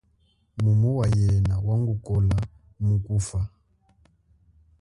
Mumu wa yena wangukula mu kufa.